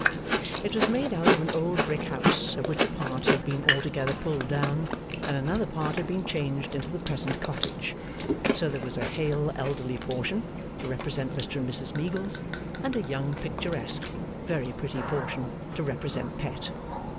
It was made out of an old brick house, of which a part had been altogether pulled down, and another part had been changed into the present cottage; so there was a hale elderly portion, to represent Mr and Mrs Meagles, and a young picturesque, very pretty portion to represent Pet.